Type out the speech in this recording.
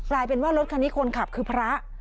กลายเป็นว่ารถคันนี้คนขับคือพระ